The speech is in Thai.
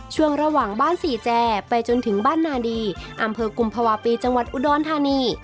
ช่วงระหว่างบ้านสี่แจไปจนถึงบ้านนาดีอำเภอกุมภาวะปีจังหวัดอุดรธานี